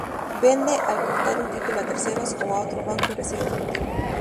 Vende al contado un título a terceros o a otro banco y recibe efectivo.